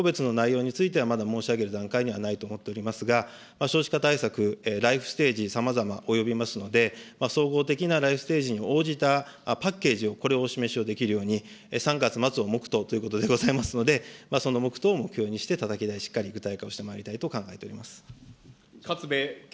たたき台の個別の内容についてはまだ、申し上げる段階にはないと思っておりますが、少子化対策、ライフステージ、さまざま及びますので、総合的なライフステージに応じたパッケージ、これをお示しをできるように、３月末を目途ということでございますので、その目途を目標にしてたたき台、しっかり具体化をしてまいりたいと考えております。